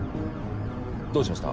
どうしました？